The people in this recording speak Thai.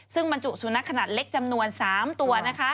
ซึ่งบรรจุสุนัขขนาดเล็กจำนวน๓ตัวนะคะ